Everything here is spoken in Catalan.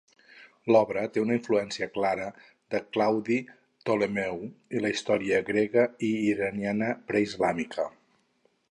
L'obra té una influència clara de Claudi Ptolemeu i la història grega i iraniana preislàmica.